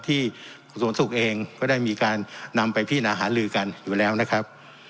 กระทรวงสุขเองก็ได้มีการนำไปพินาหาลือกันอยู่แล้วนะครับ